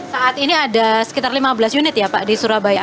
saat ini ada sekitar lima belas unit ya pak di surabaya